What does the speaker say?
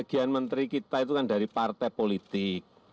sebagian menteri kita itu kan dari partai politik